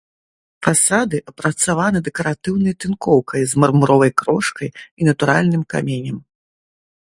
Фасады апрацаваны дэкаратыўнай тынкоўкай з мармуровай крошкай і натуральным каменем.